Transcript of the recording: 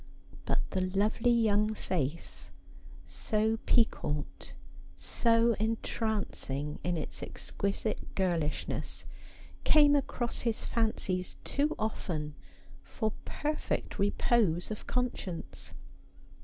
But the lovely young face, so piquant, so entrancing in its exquisite girlishness, came across his fancies too often for perfect repose of conscience.